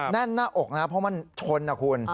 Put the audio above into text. แน่นหน้าอกนะเพราะมันชนนะคุณ